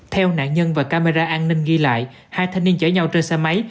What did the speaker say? theo nạn nhân và camera an ninh ghi lại hai thanh niên chở nhau trên xe máy